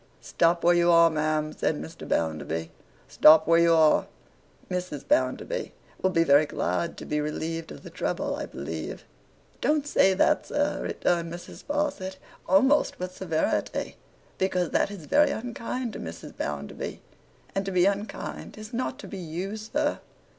Stop where you are, ma'am,' said Mr. Bounderby, 'stop where you are! Mrs. Bounderby will be very glad to be relieved of the trouble, I believe.' 'Don't say that, sir,' returned Mrs. Sparsit, almost with severity, 'because that is very unkind to Mrs. Bounderby. And to be unkind is not to be you, sir.